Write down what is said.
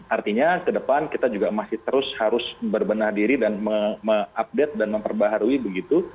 artinya ke depan kita juga masih terus harus berbenah diri dan mengupdate dan memperbaharui begitu